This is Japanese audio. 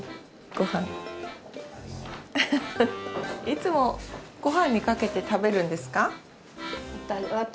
いつもご飯にかけて食べるんですか？